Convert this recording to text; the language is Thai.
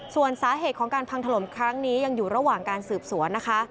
ส่วนสาเหตุของการพังถล่มครั้งนี้ยังอยู่ระหว่างการสืบสวนนะคะ